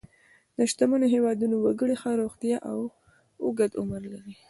د شتمنو هېوادونو وګړي ښه روغتیا او اوږد عمر لري.